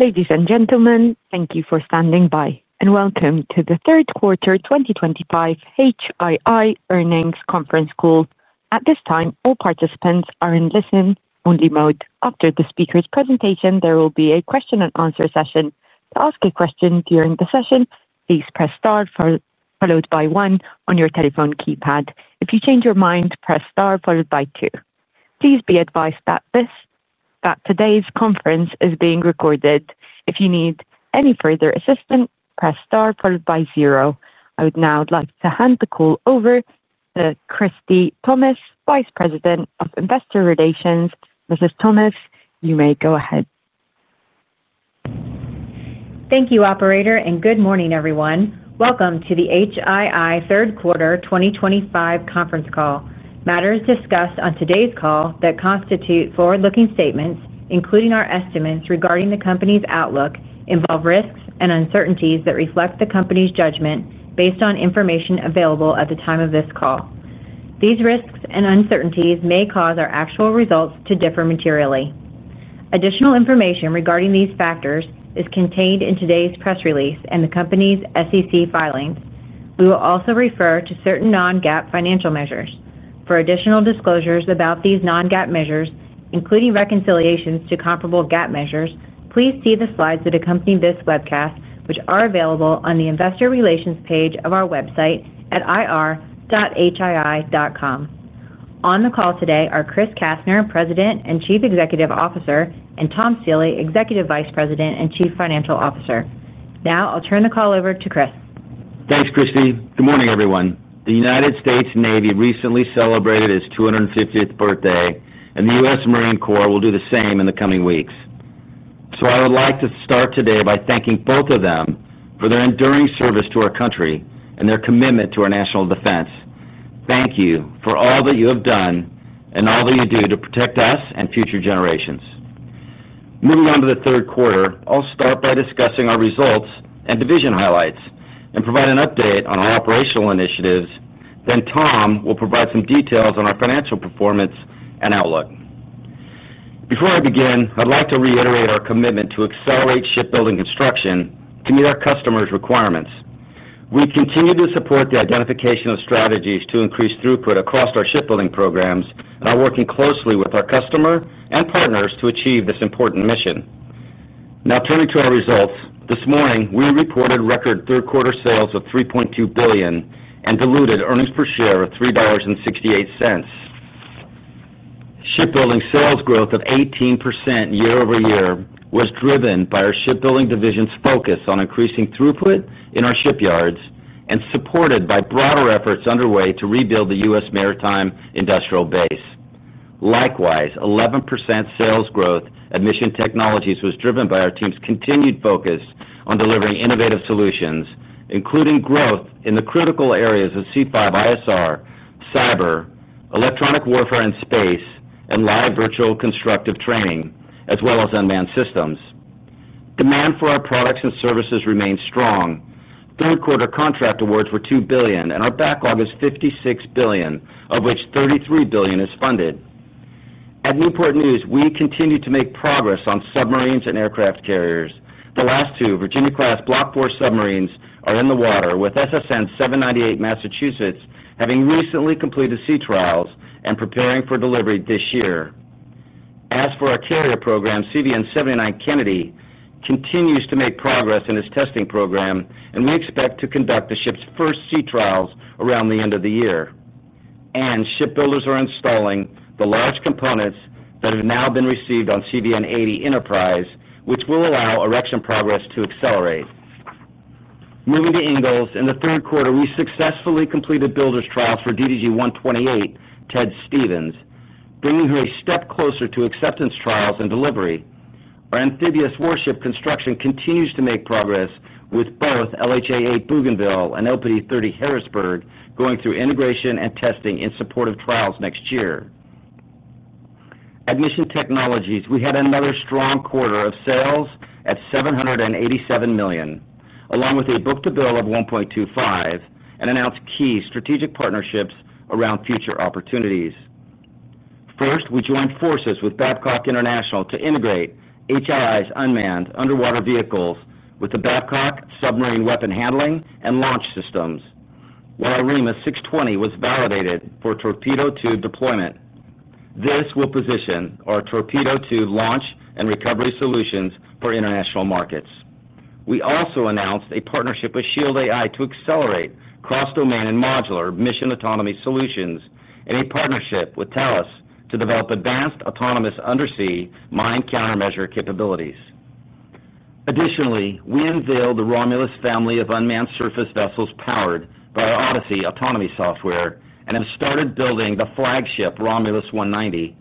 Ladies and gentlemen, thank you for standing by and welcome to the third quarter 2025 HII earnings conference call. At this time, all participants are in listen-only mode. After the speaker's presentation, there will be a question and answer session. To ask a question during the session, please press star followed by one on your telephone keypad. If you change your mind, press star followed by two. Please be advised that today's conference is being recorded. If you need any further assistance, press star followed by zero. I would now like to hand the call over to Christ Thomas, Vice President of Investor Relations. Mrs. Thomas, you may go ahead. Thank you, operator, and good morning, everyone. Welcome to the HII third quarter 2025 conference call. Matters discussed on today's call that constitute forward-looking statements, including our estimates regarding the company's outlook, involve risks and uncertainties that reflect the company's judgment based on information available at the time of this call. These risks and uncertainties may cause our actual results to differ materially. Additional information regarding these factors is contained in today's press release and the company's SEC filings. We will also refer to certain non-GAAP financial measures. For additional disclosures about these non-GAAP measures, including reconciliations to comparable GAAP measures, please see the slides that accompany this webcast which are available on the Investor Relations page of our website at ir.hii.com. On the call today are Chris Kastner, President and Chief Executive Officer, and Tom Seeley, Executive Vice President and Chief Financial Officer. Now I'll turn the call over to Chris. Thanks, Christy. Good morning, everyone. The United States Navy recently celebrated its 250th birthday and the U.S. Marine Corps will do the same in the coming weeks. I would like to start today by thanking both of them for their enduring service to our country and their commitment to our national defense. Thank you for all that you have done and all that you do to protect us and future generations. Moving on to the third quarter, I'll start by discussing our results and division highlights and provide an update on our operational initiatives. Tom will provide some details on our financial performance and outlook. Before I begin, I'd like to reiterate our commitment to accelerate shipbuilding construction to meet our customers' requirements. We continue to support the identification of strategies to increase throughput across our shipbuilding programs and are working closely with our customer and partners to achieve this important mission. Now turning to our results, this morning we reported record third quarter sales of $3.2 billion and diluted earnings per share of $3.68. Shipbuilding sales growth of 18% year-over-year was driven by our Shipbuilding division's focus on increasing throughput in our shipyards and supported by broader efforts underway to rebuild the U.S. maritime and industrial base. Likewise, 11% sales growth at Mission Technologies was driven by our team's continued focus on delivering innovative solutions, including growth in the critical areas of C5ISR, cyber electronic warfare and space, and live virtual constructive training as well as unmanned systems. Demand for our products and services remains strong. Third quarter contract awards were $2 billion and our backlog is $56 billion, of which $33 billion is funded. At Newport News, we continue to make progress on submarines and aircraft carriers. The last two Virginia-class Block IV submarines are in the water, with SSN-798 Massachusetts having recently completed sea trials and preparing for delivery this year. As for our carrier program, CVN-79 Kennedy continues to make progress in its testing program and we expect to conduct the ship's first sea trials around the end of the year. Shipbuilders are installing the large components that have now been received on CVN-80 Enterprise, which will allow erection progress to accelerate. Moving to Ingalls, in the third quarter we successfully completed builders trials for DDG-128 Ted Stevens, bringing her a step closer to acceptance trials and delivery. Our amphibious warship construction continues to make progress with both LHA-8 Bougainville and LPD-30 Harrisburg going through integration and testing in support of trials next year. At Mission Technologies, we had another strong quarter of sales at $787 million along with a book-to-bill of 1.25 and announced key strategic partnerships around future opportunities. First, we joined forces with Babcock International to integrate HII's unmanned underwater vehicles with the Babcock submarine weapon handling and launch systems while ARV 620 was validated for torpedo tube deployment. This will position our torpedo tube launch and recovery solutions for international markets. We also announced a partnership with Shield AI to accelerate cross-domain and modular mission autonomy solutions and a partnership with Telus to develop advanced autonomous undersea mine countermeasure capabilities. Additionally, we unveiled the Romulus family of unmanned surface vessels powered by our Odyssey Autonomy software and have started building the flagship Romulus 190.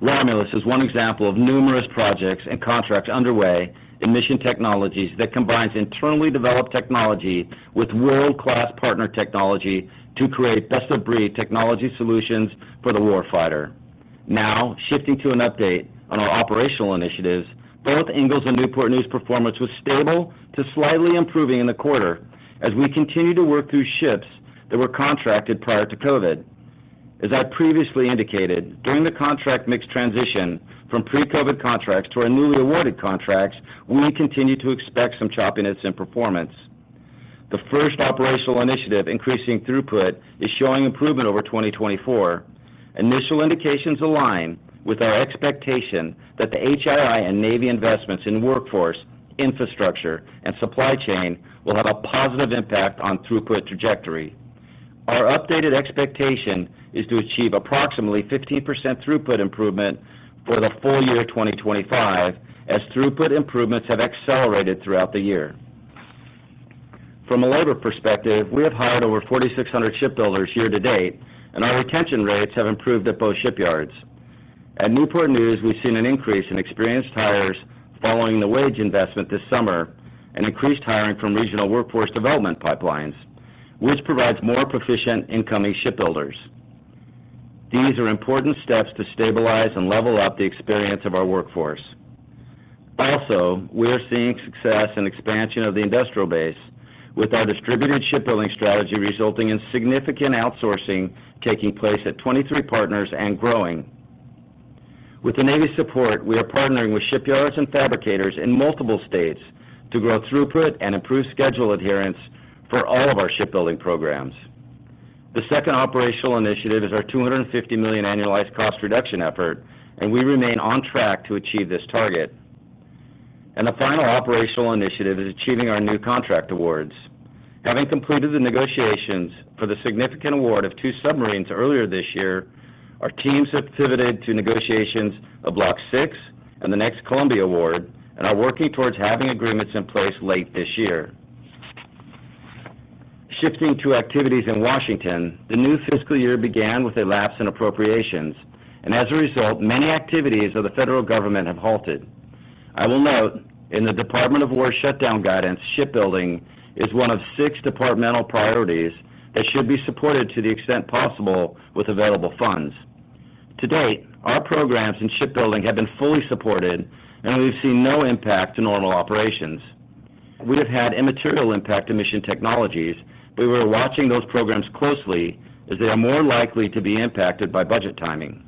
Romulus is one example of numerous projects and contracts underway in Mission Technologies that combines internally developed technology with world-class partner technology to create best-of-breed technology solutions for the warfighter. Now shifting to an update on our operational initiatives, both Ingalls and Newport News performance was stable to slightly improving in the quarter as we continue to work through ships that were contracted prior to COVID. As I previously indicated, during the contract mix transition from pre-COVID contracts to our newly awarded contracts, we continue to expect some choppiness in performance. The first operational initiative, increasing throughput, is showing improvement over 2024. Initial indications align with our expectation that the HII and Navy investments in workforce, infrastructure, and supply chain will have a positive impact on throughput trajectory. Our updated expectation is to achieve approximately 15% throughput improvement for the full year 2025 as throughput improvements have accelerated throughout the year. From a labor perspective, we have hired over 4,600 shipbuilders year to date and our retention rates have improved at both shipyards. At Newport News, we've seen an increase in experienced hires following the wage investment this summer and increased hiring from regional workforce development pipelines, which provides more proficient incoming shipbuilders. These are important steps to stabilize and level up the experience of our workforce. Also, we are seeing success and expansion of the industrial base with our distributed shipbuilding strategy, resulting in significant outsourcing taking place at 23 partners and growing. With the Navy's support, we are partnering with shipyards and fabricators in multiple states to grow throughput and improve schedule adherence for all of our shipbuilding programs. The second operational initiative is our $250 million annualized cost reduction effort, and we remain on track to achieve this target. The final operational initiative is achieving our new contract awards. Having completed the negotiations for the significant award of two submarines earlier this year, our teams have pivoted to negotiations of block 6 and the next Columbia-class award and are working towards having agreements in place late this year. Shifting to activities in Washington, the new fiscal year began with a lapse in appropriations, and as a result, many activities of the federal government have halted. I will note in the Department of War shutdown guidance, shipbuilding is one of six departmental priorities that should be supported to the extent possible with available funds. To date, our programs in shipbuilding have been fully supported, and we've seen no impact to normal operations. We have had immaterial impact to Mission Technologies. We are watching those programs closely as they are more likely to be impacted by budget timing.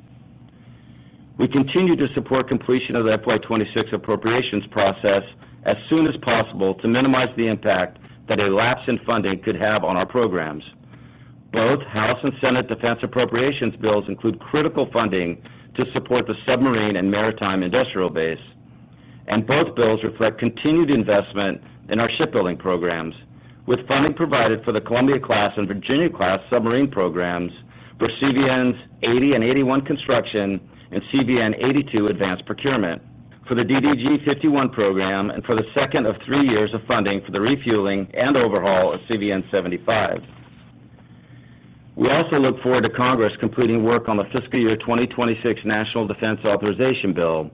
We continue to support completion of the FY 2026 appropriations process as soon as possible to minimize the impact that a lapse in funding could have on our programs. Both House and Senate defense appropriations bills include critical funding to support the submarine and maritime industrial base, and both bills reflect continued investment in our shipbuilding programs, with funding provided for the Columbia-class and Virginia-class submarine programs, for CVN-80 and CVN-81 construction, and CVN-82 advanced procurement, for the DDG-51 program, and for the second of three years of funding for the refueling and overhaul of CVN-75. We also look forward to Congress completing work on the fiscal year 2026 National Defense Authorization Bill,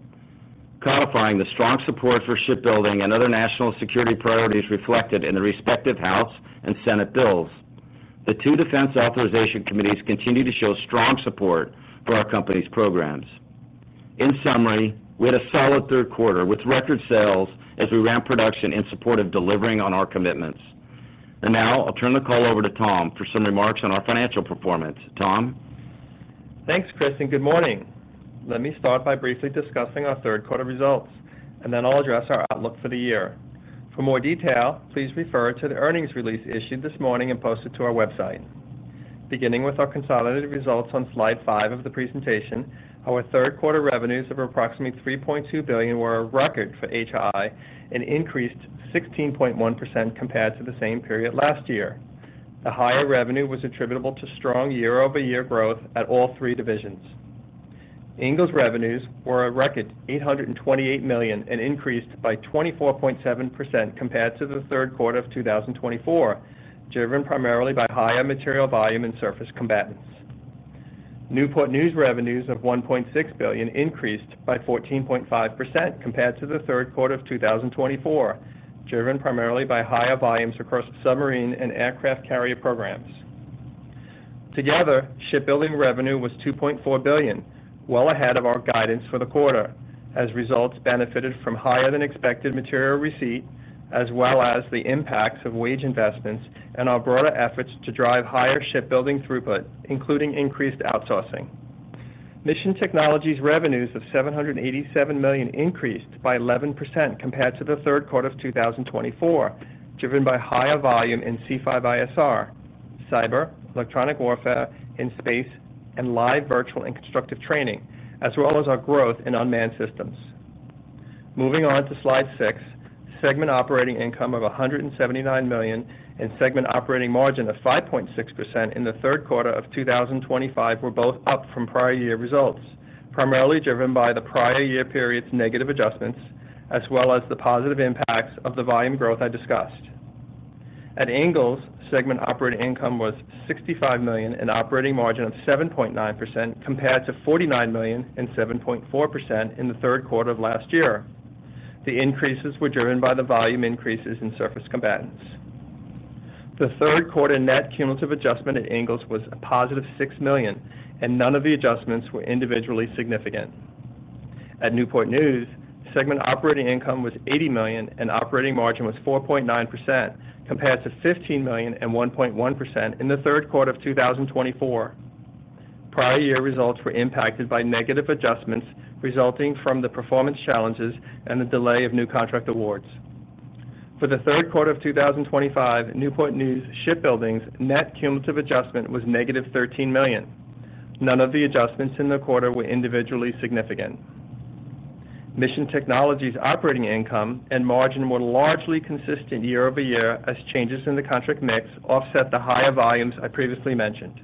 codifying the strong support for shipbuilding and other national security priorities reflected in the respective House and Senate bills. The two Defense Authorization Committees continue to show strong support for our company's programs. In summary, we had a solid third quarter with record sales as we ramped production in support of delivering on our commitments. Now I'll turn the call over to Tom for some remarks on our financial performance. Tom. Thanks Chris, and good morning. Let me start by briefly discussing our third quarter results and then I'll address our outlook for the year. For more detail, please refer to the earnings release issued this morning and posted to our website. Beginning with our consolidated results on Slide five of the presentation, our third quarter revenues of approximately $3.2 billion were a record for HII and increased 16.1% compared to the same period last year. The higher revenue was attributable to strong year-over-year growth at all three divisions. Ingalls revenues were a record $828 million and increased by 24.7% compared to the third quarter of 2024, driven primarily by higher material volume and surface combatants. Newport News revenues of $1.6 billion increased by 14.5% compared to the third quarter of 2024, driven primarily by higher volumes across submarine and aircraft carrier programs. Together, shipbuilding revenue was $2.4 billion, well ahead of our guidance for the quarter as results benefited from higher than expected material receipt as well as the impacts of wage investments and our broader efforts to drive higher shipbuilding throughput, including increased outsourcing. Mission Technologies revenues of $787 million increased by 11% compared to the third quarter of 2024, driven by higher volume in C5ISR, cyber, electronic warfare in space and live, virtual and constructive training, as well as our growth in unmanned systems. Moving on to Slide six, segment operating income of $179 million and segment operating margin of 5.6% in the third quarter of 2025 were both up from prior year results primarily driven by the prior year period's negative adjustments as well as the positive impacts of the volume growth I discussed. At Ingalls, segment operating income was $65 million, an operating margin of 7.9% compared to $49 million and 7.4% in the third quarter of last year. The increases were driven by the volume increases in surface combatants. The third quarter net cumulative adjustment at Ingalls was a positive $6 million and none of the adjustments were individually significant. At Newport News, segment operating income was $80 million and operating margin was 4.9% compared to $15 million and 1.1% in the third quarter of 2024. Prior year results were impacted by negative adjustments resulting from the performance challenges and the delay of new contract awards. For the third quarter of 2025, Newport News Shipbuilding's net cumulative adjustment was negative $13 million. None of the adjustments in the quarter were individually significant. Mission Technologies operating income and margin were largely consistent year-over-year as changes in the contract mix offset the higher volumes I previously mentioned.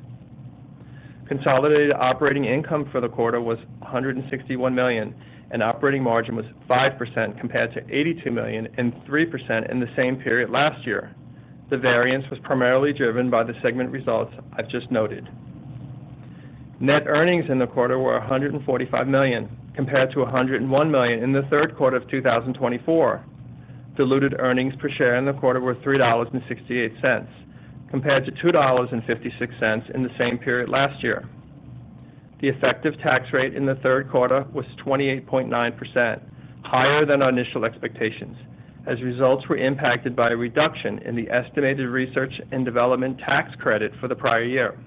Consolidated operating income for the quarter was $161 million and operating margin was 5% compared to $82 million and 3% in the same period last year. The variance was primarily driven by the segment results I've just noted. Net earnings in the quarter were $145 million compared to $101 million in the third quarter of 2024. Diluted earnings per share in the quarter were $3.68 compared to $2.56 in the same period last year. The effective tax rate in the third quarter was 28.9%, higher than our initial expectations as results were impacted by a reduction in the estimated research and development tax credit for the prior year.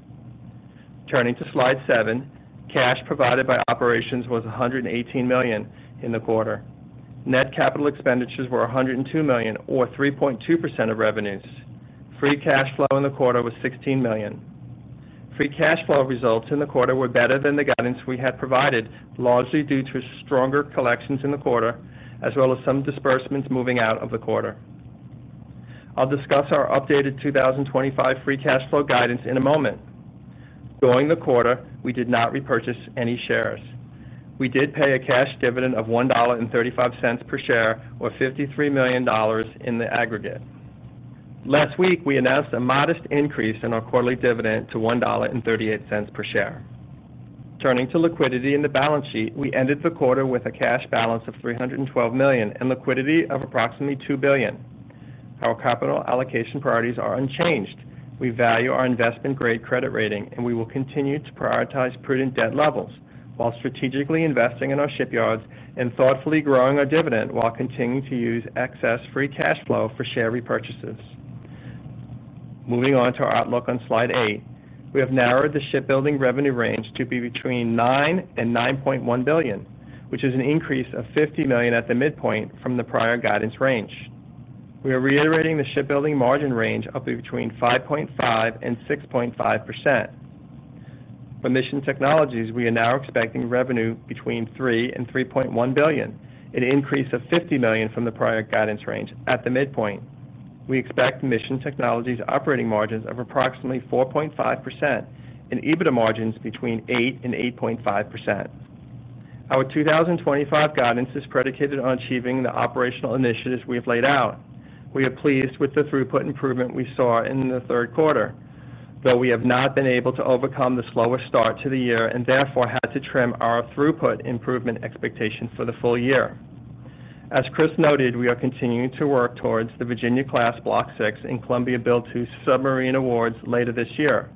Turning to Slide seven, cash provided by operations was $118 million in the quarter. Net capital expenditures were $102 million, or 3.2% of revenues. Free cash flow in the quarter was $16 million. Free cash flow results in the quarter were better than the guidance we had provided, largely due to stronger collections in the quarter as well as some disbursements moving out of the quarter. I'll discuss our updated 2025 free cash flow guidance in a moment. During the quarter, we did not repurchase any shares. We did pay a cash dividend of $1.35 per share, or $53 million in the aggregate. Last week we announced a modest increase in our quarterly dividend to $1.38 per share. Turning to liquidity in the balance sheet, we ended the quarter with a cash balance of $312 million and liquidity of approximately $2 billion. Our capital allocation priorities are unchanged, we value our investment grade credit rating, and we will continue to prioritize prudent debt levels while strategically investing in our shipyards and thoughtfully growing our dividend while continuing to use excess free cash flow for share repurchases. Moving on to our outlook on Slide eight, we have narrowed the shipbuilding revenue range to be between $9 billion and $9.1 billion, which is an increase of $50 million at the midpoint from the prior guidance range. We are reiterating the shipbuilding margin range of between 5.5% and 6.5%. For Mission Technologies, we are now expecting revenue between $3 billion and $3.1 billion, an increase of $50 million from the prior guidance range. At the midpoint, we expect Mission Technologies operating margins of approximately 4.5% and EBITDA margins between 8% and 8.5%. Our 2025 guidance is predicated on achieving the operational initiatives we have laid out. We are pleased with the throughput improvement we saw in the third quarter, though we have not been able to overcome the slowest start to the year and therefore had to trim our throughput improvement expectations for the full year. As Chris noted, we are continuing to work towards the Virginia-class Block IV and Columbia-class Boat 2 submarine awards later this year.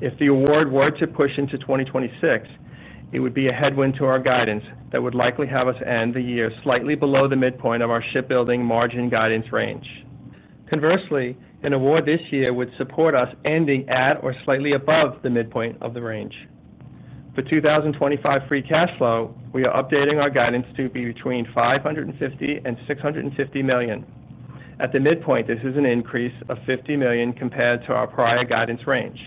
If the award were to push into 2026, it would be a headwind to our guidance that would likely have us end the year slightly below the midpoint of our shipbuilding margin guidance range. Conversely, an award this year would support us ending at or slightly above the midpoint of the range. For 2025 free cash flow, we are updating our guidance to be between $550 million and $650 million at the midpoint. This is an increase of $50 million compared to our prior guidance range.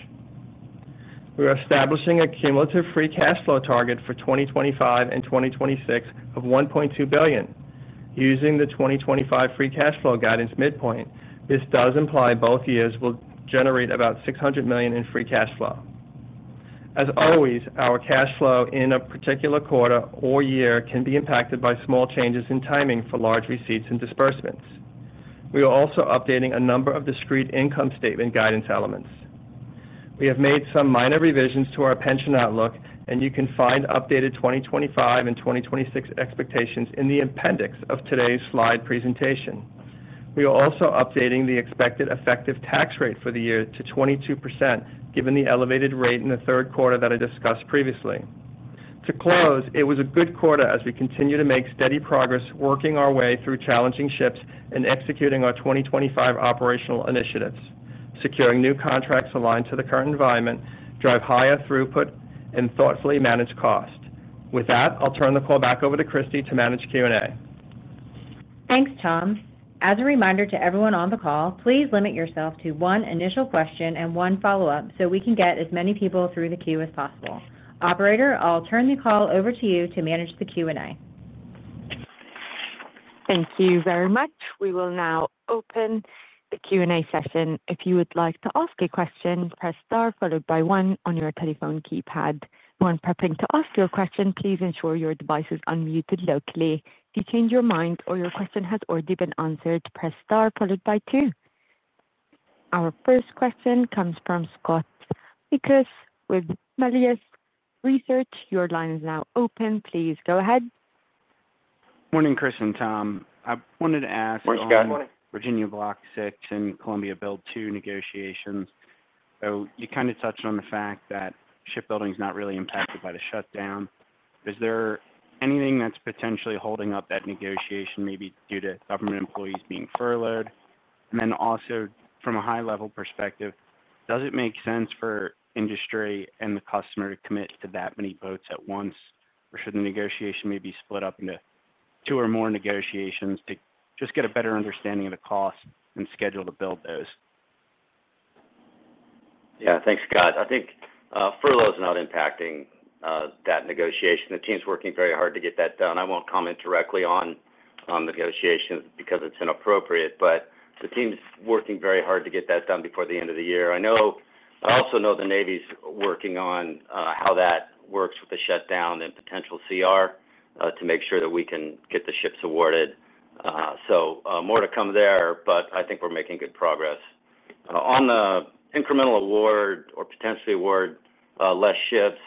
We are establishing a cumulative free cash flow target for 2025 and 2026 of $1.2 billion using the 2025 free cash flow guidance midpoint. This does imply both years will generate about $600 million in free cash flow. As always, our cash flow in a particular quarter or year can be impacted by small changes in timing for large receipts and disbursements. We are also updating a number of discrete income statement guidance elements. We have made some minor revisions to our pension outlook and you can find updated 2025 and 2026 expectations in the appendix of today's slide presentation. We are also updating the expected effective tax rate for the year to 22% given the elevated rate in the third quarter that I discussed previously. To close, it was a good quarter as we continue to make steady progress, working our way through challenging shifts and executing our 2025 operational initiatives. Securing new contracts aligned to the current environment drive higher throughput and thoughtfully manage cost. With that, I'll turn the call back over to Christie to manage Q&A. Thanks, Tom. As a reminder to everyone on the call, please limit yourself to one initial question and one follow-up so we can get as many people through the queue as possible. Operator, I'll turn the call over to you to manage the Q&A. Thank you very much. We will now open the Q&A session. If you would like to ask a question, press star followed by one on your telephone keypad. When prepping to ask your question, please ensure your device is unmuted locally. If you change your mind or your question has already been answered, press star followed by two. Our first question comes from Scott Mikus with Melius Research. Your line is now open. Please go ahead. Morning, Chris and Tom. I wanted to ask Virginia Block IV and Columbia build two negotiations. You kind of touched on the fact that shipbuilding is not really impacted by the shutdown. Is there anything that's potentially holding up that negotiation, maybe due to government employees being furloughed? Also, from a high level perspective, does it make sense for industry and the customer to commit to that many boats at once or should the negotiation maybe be split up into two or more negotiations to just get a better understanding of the cost and schedule to build those? Yeah, thanks, Scott. I think furlough is not impacting that negotiation. The team's working very hard to get that done. I won't comment directly on the negotiations because it's inappropriate, but the team's working very hard to get that done before the end of the year. I also know the Navy's working on how that works with the shutdown and potential CR to make sure that we can get the ships awarded. More to come there. I think we're making good progress on the incremental award or potentially award less ships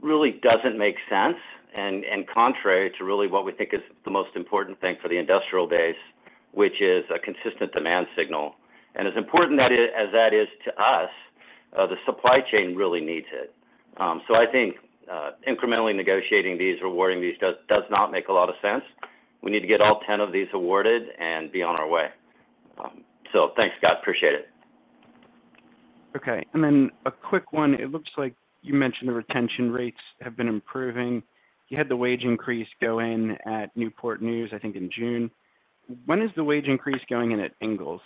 really doesn't make sense. It's contrary to really what we think is the most important thing for the industrial base, which is a consistent demand signal. As important as that is to us, the supply chain really needs it. I think incrementally negotiating these, rewarding these, does not make a lot of sense. We need to get all 10 of these awarded and be on our way. Thanks, Scott. Appreciate it. Okay, and then a quick one. It looks like you mentioned the retention rates have been improving. You had the wage increase go in at Newport News, I think in June. When is the wage increase going in at Ingalls?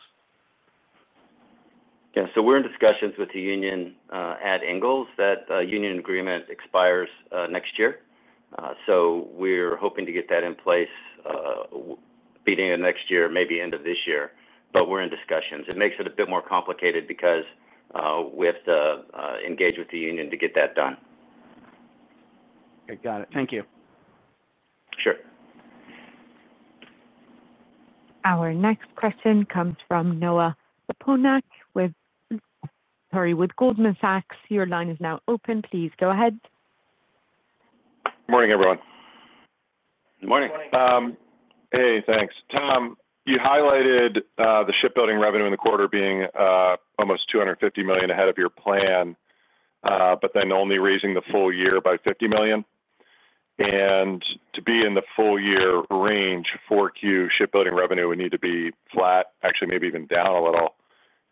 Yeah, we're in discussions with the union at Ingalls. That union agreement expires next year. We're hoping to get that in place by the beginning of next year, maybe end of this year. We're in discussions. It makes it a bit more complicated because we have to engage with the union to get that done. Got it. Thank you. Our next question comes from Noah Poponak with Goldman Sachs. Your line is now open. Please go ahead. Morning, everyone. Good morning. Hey, thanks, Tom. You highlighted the shipbuilding revenue in the quarter being almost $250 million ahead of your plan, but then only raising the full year by $50 million. To be in the full year range, 4Q shipbuilding revenue would need to be flat, actually, maybe even down a little.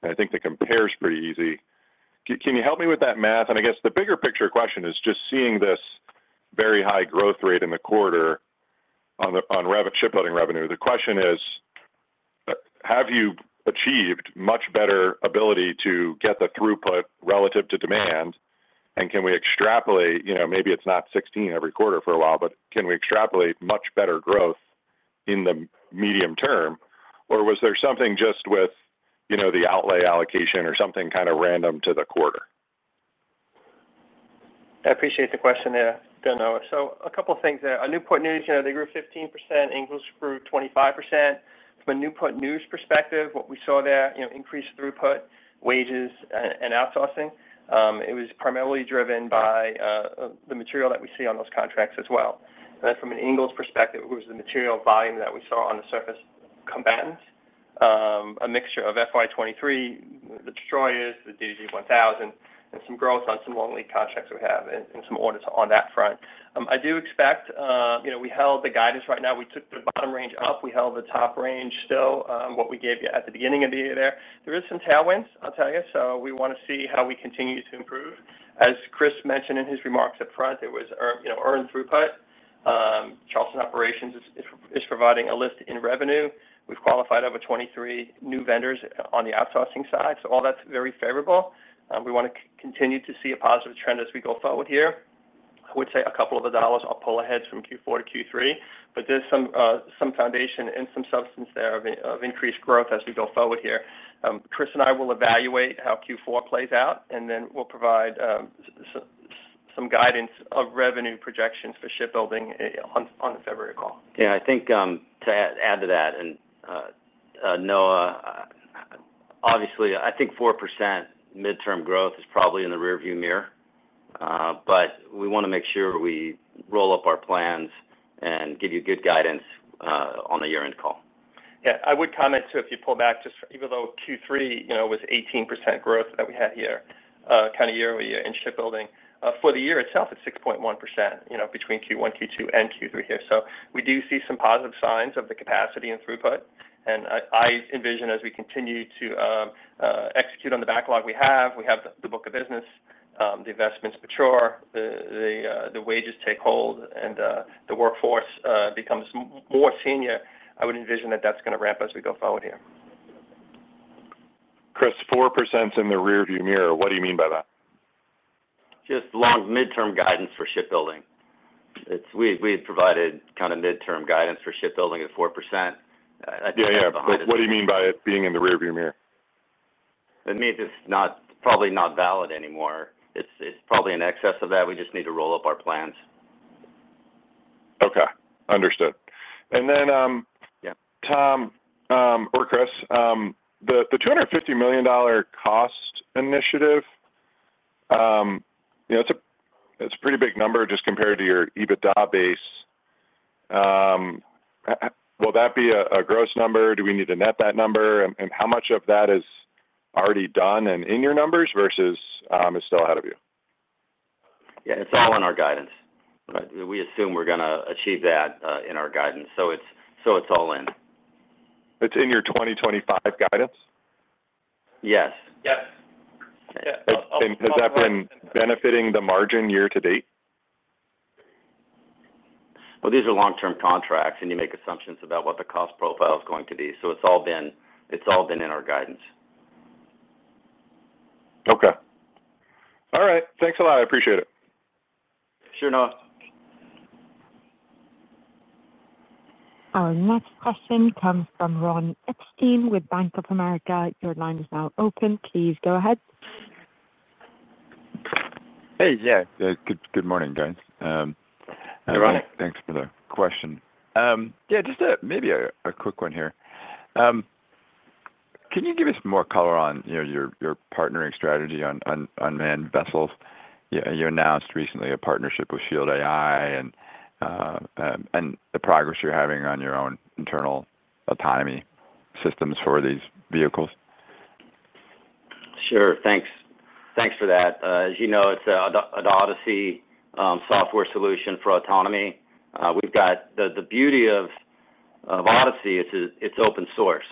I think the compare is pretty easy. Can you help me with that math? I guess the bigger picture question is just seeing this very high growth rate in the quarter on shipbuilding revenue. The question is, have you achieved much better ability to get the throughput relative to demand? Can we extrapolate? Maybe it's not 16% every quarter for a while, but can we extrapolate much better growth in the medium term? Or was there something just with, you know, the outlay allocation or something kind of random to the quarter? I appreciate the question. A couple things there. Newport News, you know, they grew 15%. Ingalls grew 25%. From a Newport News perspective, what we saw there, you know, increased throughput, wages, and outsourcing. It was primarily driven by the material that we see on those contracts as well. From an Ingalls perspective, it was the material volume that we saw on the surface combatant, a mixture of FY 2023, the destroyers, the DDG-1000, and some growth on some long lead contracts we have and some audits on that front. I do expect, you know, we held the guidance right now. We took the bottom range up. We held the top range still. What we gave you at the beginning of the year, there is some. Tailwinds, I'll tell you. We want to see how we continue to improve. As Chris mentioned in his remarks up front, it was earned throughput. Charleston Operations is providing a lift in revenue. We've qualified over 23 new vendors on the outsourcing side. All that's very favorable. We want to continue to see a positive trend as we go forward here. I would say a couple of the dollars I'll pull ahead from Q4 to Q3, but there's some foundation and some substance there of increased growth as we go forward here. Chris and I will evaluate how Q4 plays out and then we'll provide some guidance of revenue projections for shipbuilding on the February call. I think to add to that, obviously, I think 4% midterm growth is probably in the rearview mirror, but we want to make sure we roll up our plans and give you good guidance on the year-end call. Yeah, I would comment too if you pull back. Even though Q3 was 18% growth that we had here yearly in shipbuilding, for the year itself, it's 6.1% between Q1, Q2, and Q3. We do see some positive signs of the capacity and throughput. I envision, as we continue to execute on the backlog we have, we have the book of business. The investments mature, the wages take hold, and the workforce becomes more senior. I would envision that that's going to ramp as we go forward here. Chris, 4% in the rearview mirror. What do you mean by that? Just long midterm guidance for shipbuilding. We provided kind of midterm guidance for shipbuilding at 4%. What do you mean by it being in the rearview mirror? It means it's probably not valid anymore. It's probably in excess of that. We just need to roll up our plans. Okay, understood. Tom or Chris, the $250 million cost initiative, it's a pretty big number just compared to your EBITDA base. Will that be a gross number? Do we need to net that number? How much of that is already done and in your numbers versus is still ahead of you? Yeah, it's all in our guidance. We assume we're going to achieve that in our guidance. It's all in. It's in your 2025 guidance. Yes. Has that been benefiting the margin year to date? These are long term contracts, and you make assumptions about what the cost profile is going to be. It's all been in our guidance. Okay. All right, thanks a lot. I appreciate it. Our next question comes from Ron Epstein with Bank of America. Your line is now open. Please go ahead. Hey, yeah, good morning, guys. Thanks for the question. Just maybe a quick one here. Can you give us more color on your partnering strategy on unmanned vessels? You announced recently a partnership with Shield AI and the progress you're having on your own internal autonomy systems for these vehicles. Sure. Thanks for that. As you know, it's an Odyssey software solution for autonomy. The beauty of Odyssey is it's open source,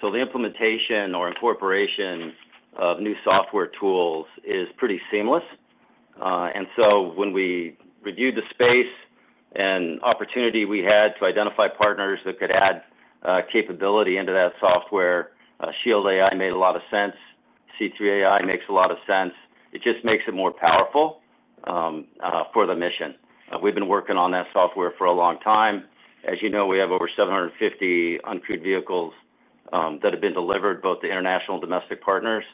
so the implementation or incorporation of new software tools is pretty seamless. When we reviewed the space and opportunity, we had to identify partners that could add capability into that software. Shield AI made a lot of sense. C3 AI makes a lot of sense. It just makes it more powerful for the mission. We've been working on that software for a long time. As you know, we have over 750 uncrewed vehicles that have been delivered both to international and domestic partners,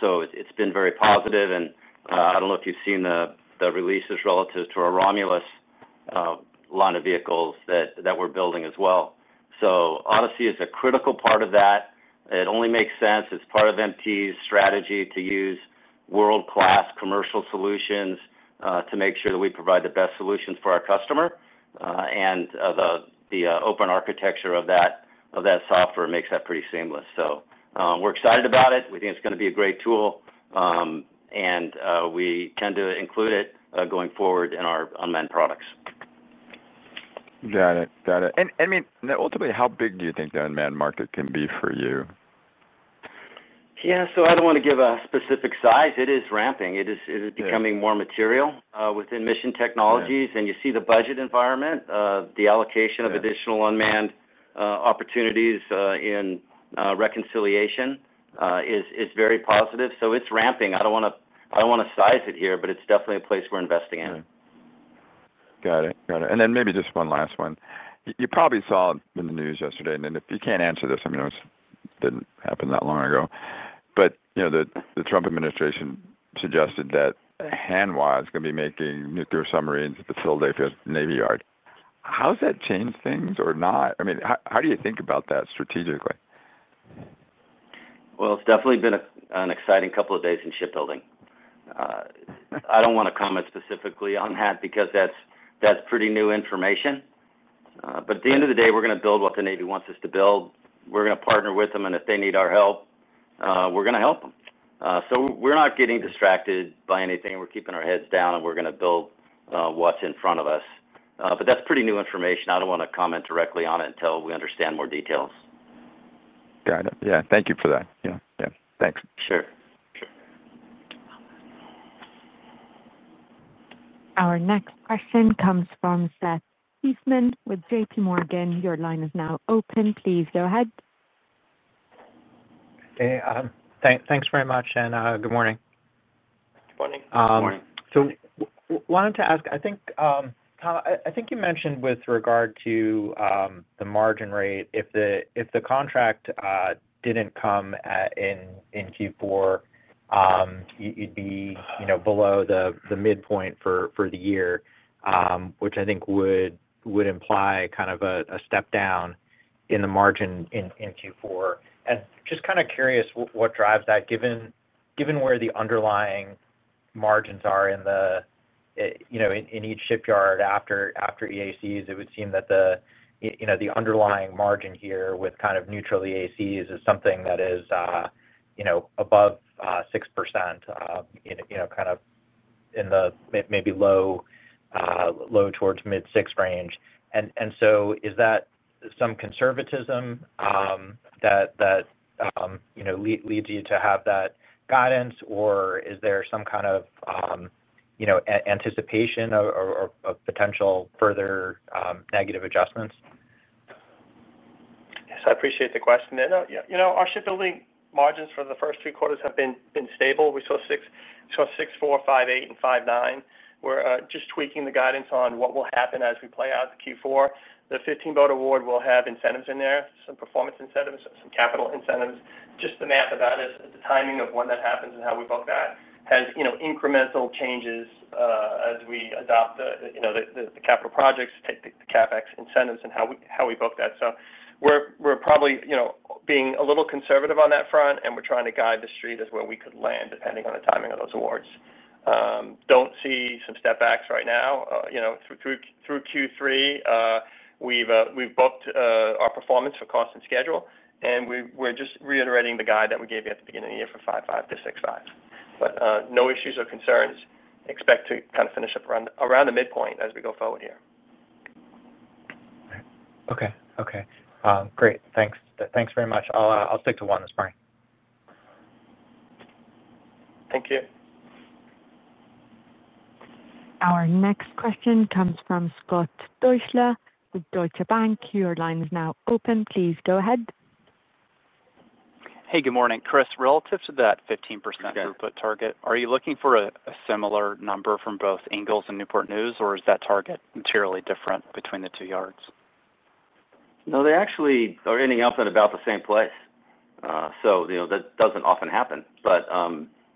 so it's been very positive. I don't know if you've seen the releases relative to our Romulus line of vehicles that we're building as well. Odyssey is a critical part of that. It only makes sense. It's part of Mission Technologies' strategy to use world-class commercial solutions to make sure that we provide the best solutions for our customer. The open architecture of that software makes that pretty seamless. We're excited about it. We think it's going to be a great tool and we intend to include it going forward in our unmanned products. Got it, got it. Ultimately, how big do you think the unmanned market can be for you? Yeah, I don't want to give a specific size. It is ramping. It is becoming more material within Mission Technologies, and you see the budget environment, the allocation of additional unmanned opportunities in reconciliation is very positive. It is ramping. I don't want to size it here, but it's definitely a place we're investing in. Got it, got it. Maybe just one last one. You probably saw in the news yesterday, and if you can't answer this, I mean, it didn't happen that long ago, but, you know, the Trump administration suggested that Hanwha is going to be making nuclear submarines at the Philadelphia Navy Yard. How does that change things or not? I mean, how do you think about that strategically? It has definitely been an exciting couple of days in shipbuilding. I don't want to comment specifically on that because that's pretty new information. At the end of the day, we're going to build what the Navy wants us to build. We're going to partner with them, and if they need our help, we're going to help them. We're not getting distracted by anything. We're keeping our heads down and we're going to build what's in front of us. That's pretty new information. I don't want to comment directly on it until we understand more details. Got it. Yeah. Thank you for that. Our next question comes from Seth Seifman with JPMorgan. Your line is now open. Please go ahead. Thanks very much, and good morning. I wanted to ask, I think, Tom, I think you mentioned with regard to the margin rate, if the contract didn't come in Q4, you'd be below the midpoint for the year, which I think would imply kind of a step down in the margin in Q4. I'm just kind of curious what drives that, given where the underlying margins are in each shipyard after EACs. It would seem that the underlying margin here with kind of neutral EACs is something that is above 6%, kind of in the maybe low towards mid 6% range. Is that some conservatism that leads you to have that guidance or is there some kind of anticipation or potential further negative adjustments? Yes, I appreciate the question. You know, our shipbuilding margins for the first three quarters have been stable. We saw 6.4%, 5.8%, and 5.9%. We're just tweaking the guidance on what will happen as we play out Q4. The 15 boat award will have incentives in there, some performance incentives, some capital incentives. Just the math about the timing of when that happens and how we book that has incremental changes as we adopt the capital projects, take the CapEx incentives, and how we book that. We're probably being a little conservative on that front and we're trying to guide the street as well. We could land depending on the timing of those awards. Don't see some step backs right now through Q3. We've booked our performance for cost and schedule and we're just reiterating the guide that we gave you at the beginning of the year for 5.5%-6%, but no issues or concerns. Expect to kind of finish up around the midpoint as we go forward here. Okay, great. Thanks very much. I'll stick to one this morning. Our next question comes from Scott Deuschle with Deutsche Bank. Your line is now open. Please go ahead. Hey, good morning, Chris. Relative to that 15% throughput target, are you looking for a similar number from both Ingalls and Newport News, or is that target materially different between the two yards? No, they actually are ending up in about the same place. That doesn't often happen, but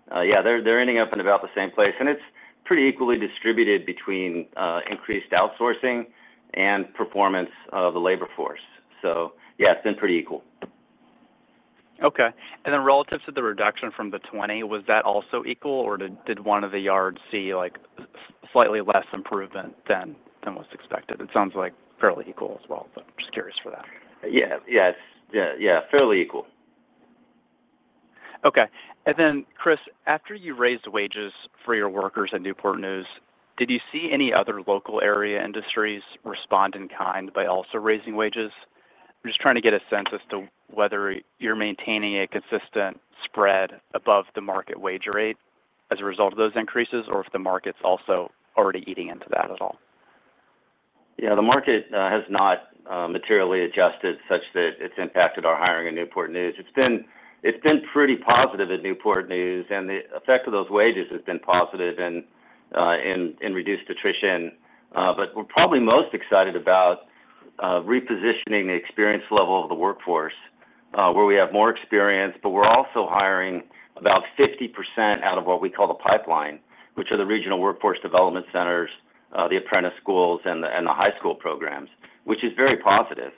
yeah, they're ending up in about the same place. It's pretty equally distributed between increased outsourcing and performance of the labor force. Yeah, it's been pretty equal. Okay, and then relative to the reduction from the 20%, was that also equal or did one of the yards see slightly less improvement than was expected? It sounds like fairly equal as well. Just curious, for that. Yeah, fairly equal. Okay. Chris, after you raised wages for your workers in Newport News, did you see any other local area industries respond in kind by also raising wages? I'm just trying to get a sense as to whether you're maintaining a consistent spread above the market wage rate as a result of those increases or if the market's also already eating into that at all. The market has not materially adjusted such that it's impacted our hiring in Newport News. It's been pretty positive at Newport News and the effect of those wages has been positive and in reduced attrition. We're probably most excited about repositioning the experience level of the workforce where we have more experience. We're also hiring about 50% out of what we call the pipeline, which are the regional workforce development centers, the apprentice schools, and the high school programs, which is very positive.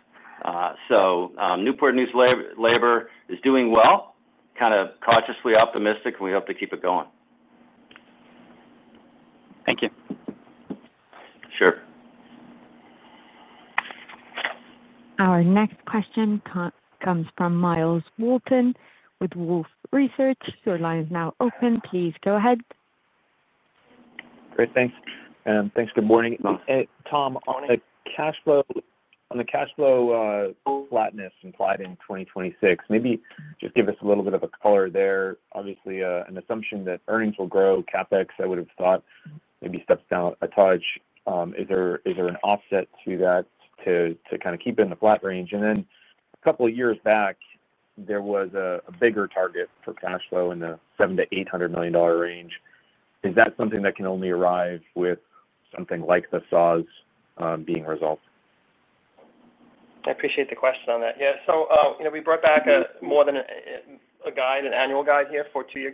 Newport News labor is doing well, kind of cautiously optimistic and we hope to keep it going. Thank you. Our next question comes from Myles Walton with Wolfe Research. Your line is now open. Please go ahead. Great. Thanks.Thank you. Good morning, Tom. On the cash flow flatness implied in 2026, maybe just give us a little bit of color there. Obviously, an assumption that earnings will grow, CapEx I would have maybe steps down a touch. Is there an offset to that to kind of keep it in the flat range? A couple of years back there was a bigger target for cash flow in the $700 million to $800 million range. Is that something that can only arrive with something like the [SAWS] being resolved? I appreciate the question on that. Yeah. We brought back more than a guide, an annual guide here for two year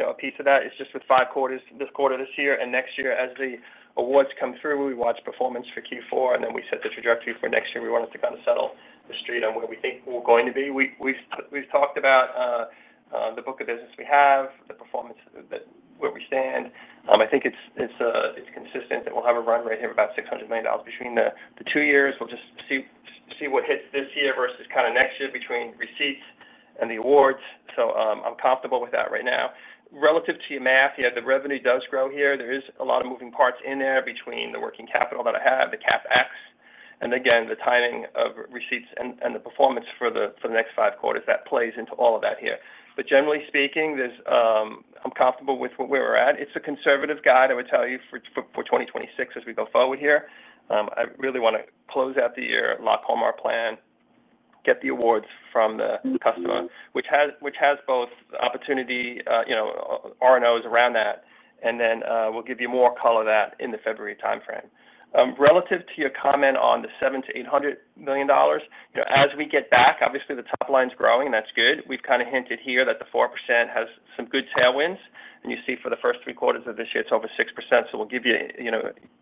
guidelines. A piece of that is just with five quarters this quarter, this year and next year as the awards come through, we watch performance for Q4 and then we set the trajectory for next year. We wanted to kind of settle the street on where we think we're going to be. We've talked about the book of business. We have the performance where we stand. I think it's consistent that we'll have a run rate here of about $600 million between the two years. We'll just see what hits this year versus kind of next year between receipts, the awards. I'm comfortable with that right now. Relative to your math. Yet the revenue does grow here. There is a lot of moving parts in there between the working capital that I have, the CapEx and again the timing of receipts and the performance for the next five quarters. That plays into all of that here. Generally speaking, I'm comfortable with where we're at. It's a conservative guide. I would tell you for 2026 as we go forward here, I really want to close out the year, lock home our plan, get the awards from the customer which has both opportunity and risk around that. We'll give you more color on that in the February time frame relative to your comment on the $700 to $800 million as we get back. Obviously the top line is growing and that's good. We've kind of hinted here that the 4% has some good tailwinds and you see for the first three quarters of this year it's over 6%. We'll give you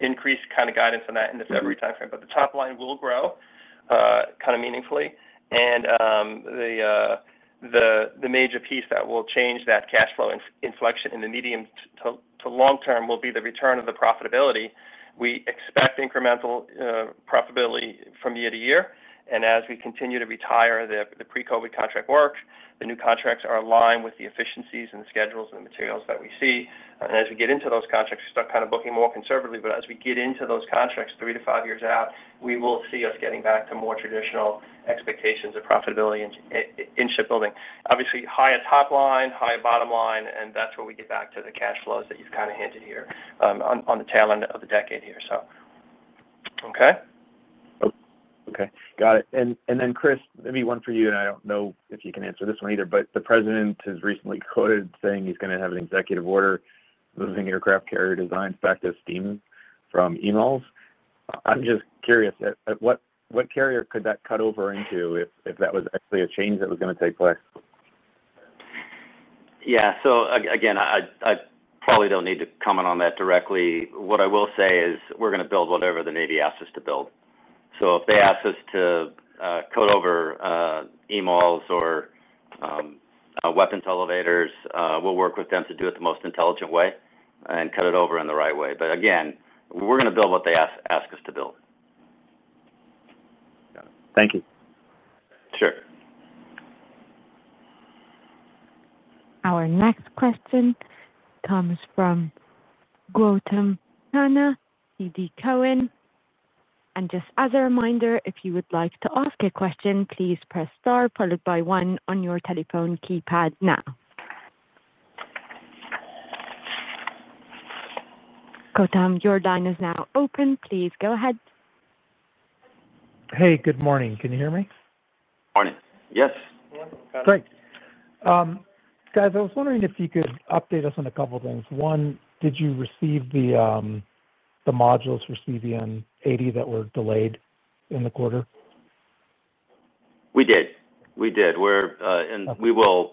increased kind of guidance on that in the February time frame. The top line will grow kind of meaningfully. The major piece that will change that cash flow inflection in the medium to long term will be the return of the profitability. We expect incremental profitability from year to year. As we continue to retire the pre-COVID contract work, the new contracts are aligned with the efficiencies and schedules and materials that we see. As we get into those contracts, we start kind of booking more conservatively. As we get into those contracts three to five years out, we will see us getting back to more traditional expectations of profitability in shipbuilding. Obviously higher top line, higher bottom line. That's where we get back to the cash flows that you've kind of hinted here on the tail end of the decade. Okay, got it. Chris, maybe one for you and I don't know if you can answer this one either, but the President has recently quoted saying he's going to have an executive order moving aircraft carrier designs back to steam from emails. I'm just curious what carrier could that cut over into if that was actually a change that was going to take place? I probably don't need to comment on that directly. What I will say is we're going to build whatever the Navy asks us to build. If they ask us to cut over emails or weapons elevators, we'll work with them to do it the most intelligent way and cut it over in the right way. We're going to build what they ask us to build. Thank you. Sure. Our next question comes from Gautam Khanna. TD Cowen. As a reminder, if you would like to ask a question, please press star followed by one on your telephone keypad. Gautam, your line is now open. Please go ahead. Hey, good morning. Can you hear me? Morning. Yes. Great. Guys, I was wondering if you could update us on a couple things. One, did you receive the modules for CVN-80 that were delayed in the quarter? We will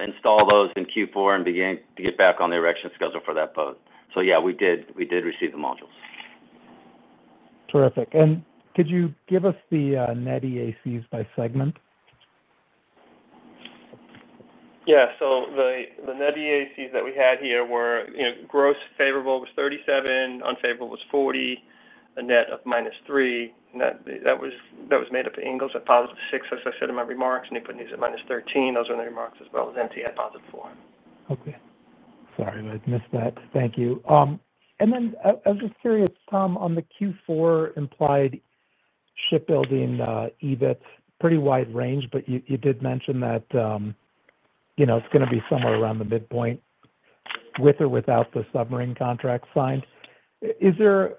install those in Q4 and begin to get back on the erection schedule for that boat. Yeah, we did receive the modules. Terrific. Could you give us the net EACS by segment? Yeah. The net EACs that we had here were gross favorable was 37, unfavorable was 40, a net of -3. That was made up of angles at positive 6, as I said in my remarks. You put these at -13. Those are the remarks as well as NT at positive 4. Okay, sorry I missed that. Thank you. I was just curious, Tom, on the Q4 implied shipbuilding EBIT, pretty wide range. You did mention that, you know, it's going to be somewhere around the midpoint with or without the submarine contract signed. Is there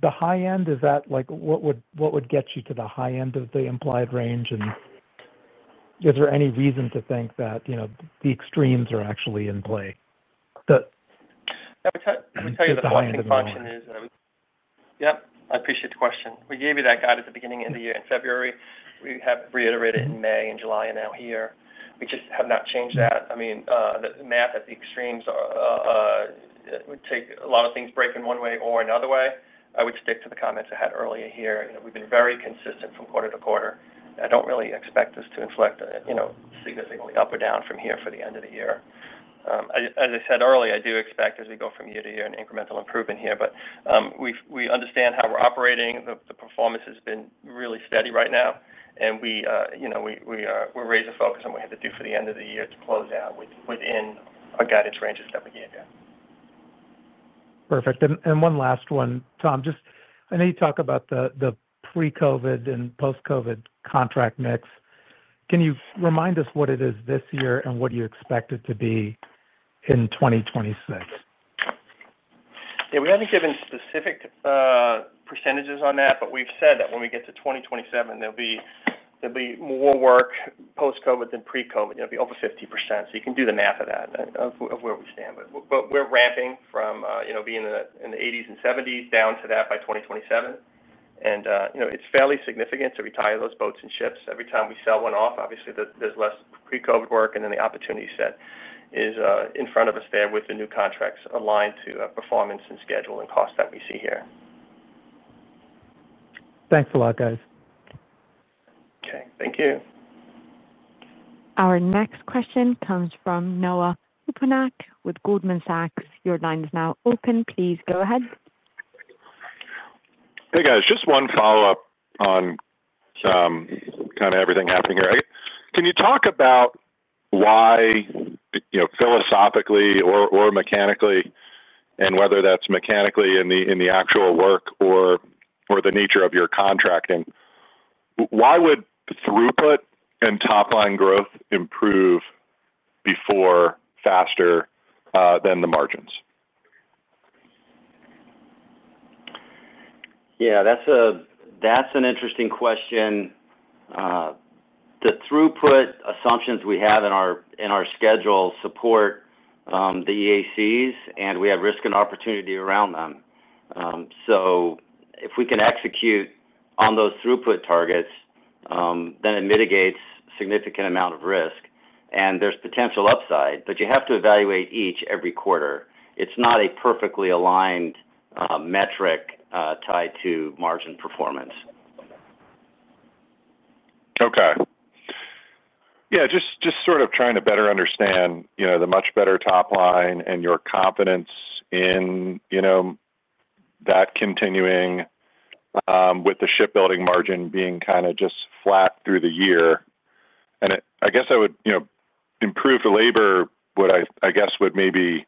the high end? Is that like what would, what would get you to the high end of the implied range? Is there any reason to think that, you know, the extremes are actually in play? Let me tell you, the function is. I appreciate the question. We gave you that guide at the beginning of the year in February. We have reiterated in May and July and now here. We just have not changed that. I mean the math at the extremes would take a lot of things break in one way or another way. I would stick to the comments I had earlier here. We've been very consistent from quarter to quarter. I don't really expect this to inflect significantly up or down from here for the end of the year. As I said earlier, I do expect as we go from year to year, an incremental improvement here. We understand how we're operating. The performance has been really steady right now and we are raising focus on what to do for the end of the year to close out within our guidance ranges that we can do. Perfect. One last one, Tom, I know you talk about the pre-COVID and post-COVID contract mix. Can you remind us what it is this year and what you expect it to be in 2026? Yeah, we haven't given specific percentages on that, but we've said that when we get to 2027, there'll be more work post-COVID than pre-COVID. It'll be over 50%. You can do the math of that, of where we stand, but we're ramping from being in the 80s and 70s down to that by 2027. It's fairly significant to retire those boats and ships every time we sell one off. Obviously, there's less pre-COVID work and then the opportunity set is in front of us there with the new contracts aligned to performance and ship schedule and cost that we see here. Thanks a lot, guys. Okay, thank you. Our next question comes from Noah Poponak with Goldman Sachs. Your line is now open. Please go ahead. Hey guys, just one follow up on kind of everything happening here. Can you talk about why, you know, philosophically or mechanically, and whether that's mechanically in the actual work or the nature of your contracting, why would throughput and top line growth improve before, faster than the margins? That's an interesting question. The throughput assumptions we have in our schedule support the EACs, and we have risk and opportunity around them. If we can execute on those throughput targets, it mitigates a significant amount of risk and there's potential upside. You have to evaluate each every quarter. It's not a perfectly aligned metric tied to margin performance. Okay, just sort of trying to better understand the much better top line and your confidence in that continuing with the shipbuilding margin being kind of just flat through the year. I guess I would improve the labor. Would I, I guess, would maybe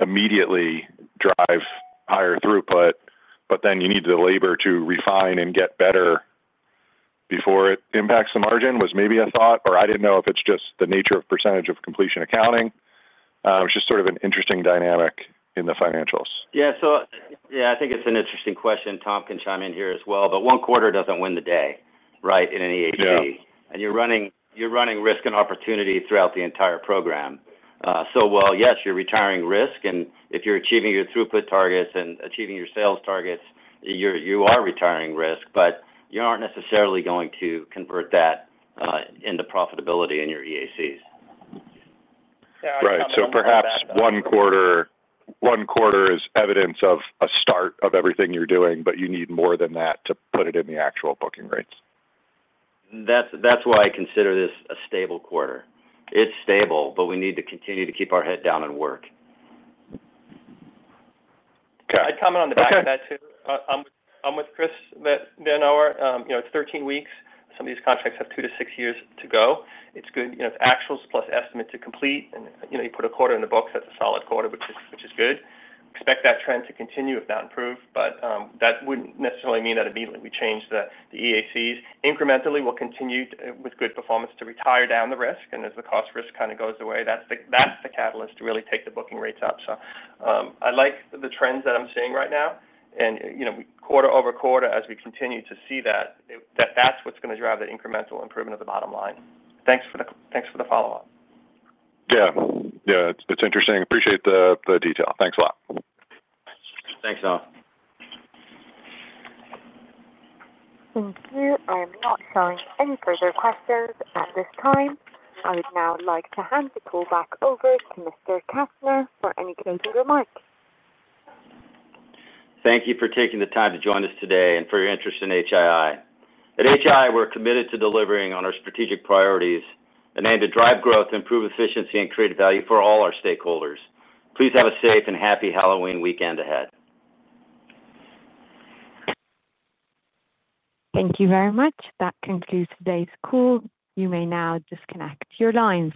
immediately drive higher throughput, but then you need the labor to refine and get better before it impacts the margin was maybe a thought, or I didn't know if it's just the nature of percentage of completion accounting. It was just sort of an interesting dynamic in the financials. Yeah. I think it's an interesting question. Tom can chime in here as well, but one quarter doesn't win the day. Right. In an EAC and you're running risk and opportunity throughout the entire program. While, yes, you're retiring risk and if you're achieving your throughput targets and achieving your sales targets, you are retiring risk, but you aren't necessarily going to convert that into profitability in your EACs. Right. Perhaps one quarter is evidence of a start of everything you're doing, but you need more than that to put it in the actual booking rates. That's why I consider this a stable quarter. It's stable, but we need to continue to keep our head down and work. I'd comment on the back of that too. I'm with Chris Kastner. You know, it's 13 weeks. Some of these contracts have two to six years to go. It's good. You know, it's actuals plus estimate to complete, and you put a quarter in the books, that's a solid quarter, which is good. Expect that trend to continue, if not improve. That wouldn't necessarily mean that immediately we changed the EACs incrementally. We'll continue with good performance to retire down the risk. As the cost risk kind of goes away, that's the catalyst to really take the booking rates up. I like the trends that I'm seeing right now, and quarter-over-quarter as we continue to see that, that's what's going to drive the incremental improvement of the bottom line. Thanks for the follow up. Yeah, it's interesting. Appreciate the detail. Thanks a lot. Thank you. I am not showing any further questions at this time. I would now like to hand the call back over to Mr. Kastner for any closing remarks. Thank you for taking the time to join us today and for your interest in HII. At HII, we're committed to delivering on our strategic priorities and aim to drive growth, improve efficiency, and create value for all our stakeholders. Please have a safe and happy Halloween weekend ahead. Thank you very much. That concludes today's call. You may now disconnect your lines.